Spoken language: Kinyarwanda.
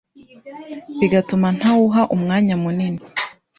bigatuma ntawuha umwanya munini.